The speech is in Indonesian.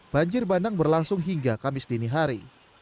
banjir bandang berlangsung hingga kamis dinihari